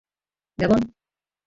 Gabon!